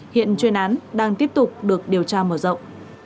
hiện chuyên án đang tiếp tục được điều tra mở rộng